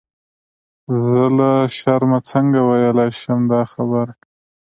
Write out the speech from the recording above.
زه له شرمه څنګه ویلای شم دا خبره.